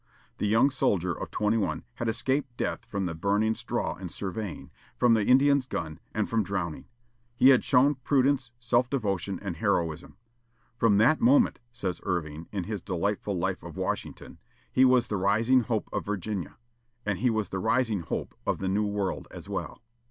The young soldier of twenty one had escaped death from the burning straw in surveying, from the Indian's gun, and from drowning. He had shown prudence, self devotion, and heroism. "From that moment," says Irving, in his delightful life of Washington, "he was the rising hope of Virginia." And he was the rising hope of the new world as well.